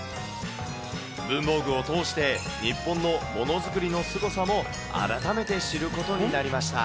文房具を通して、日本のものづくりのすごさも改めて知ることになりました。